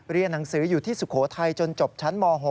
เรียนหนังสืออยู่ที่สุโขทัยจนจบชั้นม๖